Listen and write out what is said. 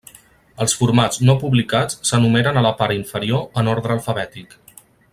Els formats no publicats s'enumeren a la part inferior en ordre alfabètic.